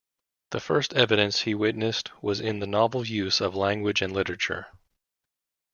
The first evidence he witnessed was in the novel use of language and literature.